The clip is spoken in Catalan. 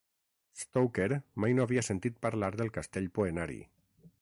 Stoker mai no havia sentit parlar del castell Poenari.